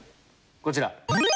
こちら。